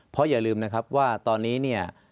เพราะอย่าลืมนะครับว่าตอนนี้เนี่ย